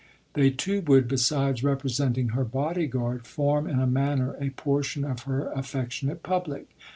They too would, besides representing her body guard, form in a manner a portion of her affectionate public.